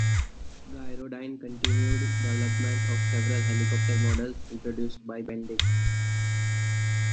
Gyrodyne continued development of several helicopter models introduced by Bendix.